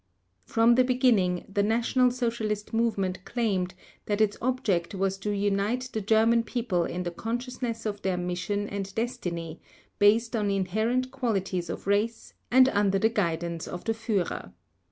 From the beginning, the National Socialist movement claimed that its object was to unite the German People in the consciousness of their mission and destiny, based on inherent qualities of race, and under the guidance of the Führer.